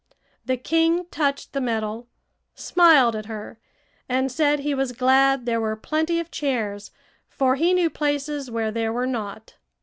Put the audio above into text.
The king touched the medal, smiled at her, and said he was glad there were plenty of chairs, for he knew places where there were not.